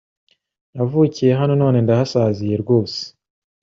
Navukiye hano none ndahasaziye rwose